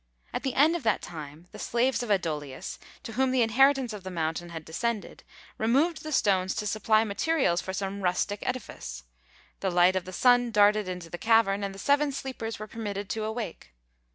At the end of that time the slaves of Adolius, to whom the inheritance of the mountain had descended, removed the stones to supply materials for some rustic edifice. The light of the sun darted into the cavern, and the Seven Sleepers were permitted to awake.